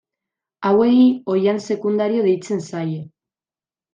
Hauei oihan sekundario deitzen zaie.